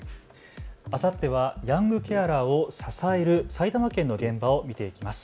あさってはヤングケアラーを支える埼玉県の現場を見ていきます。